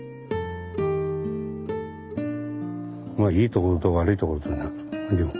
まあいいところと悪いところとだな両方。